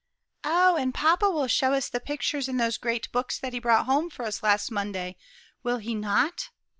"Oh, and papa will show us the pictures in those great books that he brought home for us last Monday, will he not?"